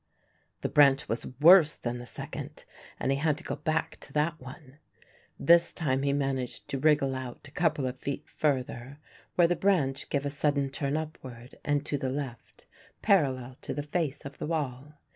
The branch was worse than the second and he had to go back to that one. This time he managed to wriggle out a couple of feet further, where the branch gave a sudden turn upward and to the left, parallel to the face of the wall.